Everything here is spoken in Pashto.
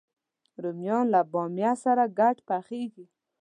رومیان له بامیه سره ګډ پخېږي